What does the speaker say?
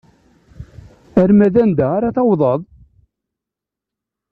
Arma d anda ara tawḍeḍ?